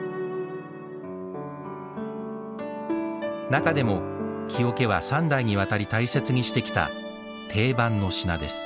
中でも木桶は三代に渡り大切にしてきた定番の品です。